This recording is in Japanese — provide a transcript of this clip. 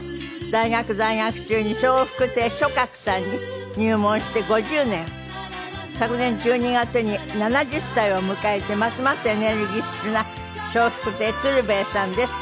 大学在学中に笑福亭松鶴さんに入門して５０年昨年１２月に７０歳を迎えてますますエネルギッシュな笑福亭鶴瓶さんです。